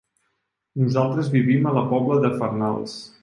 Nosaltres vivim a la Pobla de Farnals.